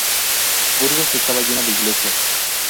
Burgos estaba llena de iglesias.